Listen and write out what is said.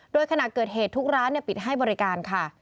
โดยขณะเกิดเหตุทุกร้านปิดให้บริการค่ะ